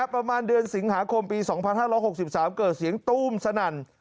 ประมาณเดือนสิงหาคมปี๒๕๖๓เกิดเสียงตู้มสนั่น